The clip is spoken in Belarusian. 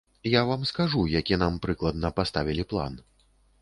Я вам скажу, які нам прыкладна паставілі план.